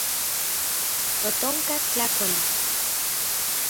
Totonka tlakuali.